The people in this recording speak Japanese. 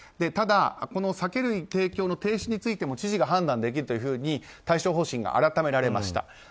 ただ、酒類提供の停止についても知事が判断できると対処方針が改められました。